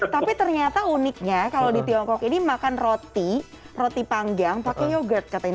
tapi ternyata uniknya kalau di tiongkok ini makan roti roti panggang pakai yogurt katanya